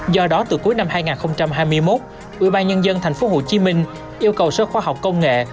do đó từ cuối năm hai nghìn hai mươi một ubnd tp hcm yêu cầu sở khoa học công nghệ